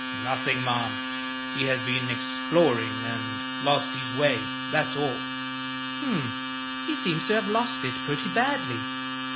"Nothing, ma'am. He has been exploring, and lost his way; that's all." "H'm! he seems to have lost it pretty badly.